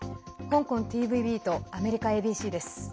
香港ＴＶＢとアメリカＡＢＣです。